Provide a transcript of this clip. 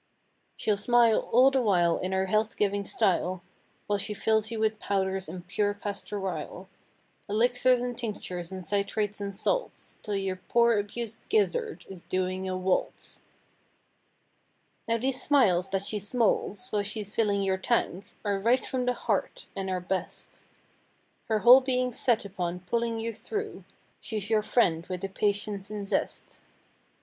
She'll smile all the while in her health giving style While she fills you with powders and pure castor "ile," Elixirs and tinctures and citrates and salts— 'Till your poor abused "gizzard" is doing a waltz. Now these smiles that she "smoles" while she's filling your tank Are right from the heart—and are best. Her whole being's set upon pulling you through— 84 She's your friend with the patience and zest.